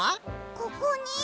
ここに？